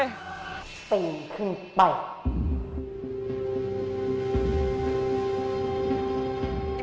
ตีมขึ้นไป